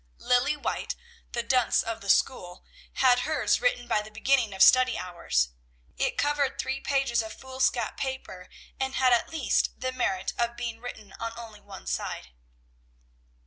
Lilly White, the dunce of the school, had hers written by the beginning of study hours. It covered three pages of foolscap paper, and had at least the merit of being written on only one side.